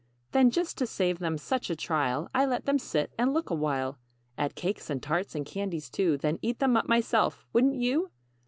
"Then, just to save them such a trial, I let them sit and look a while At cakes, and tarts, and candies, too. Then eat them up myself wouldn't you?